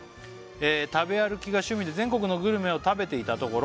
「食べ歩きが趣味で全国のグルメを食べていたところ」